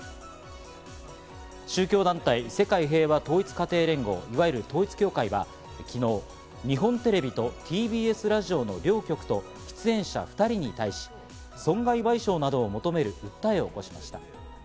宗教団体・世界平和統一家庭連合、いわゆる統一教会は昨日、日本テレビとＴＢＳラジオの両局と出演者２人に対し、損害賠償などを求める訴えを起こしました。